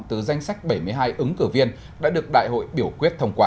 từ danh sách bảy mươi hai ứng cử viên đã được đại hội biểu quyết thông qua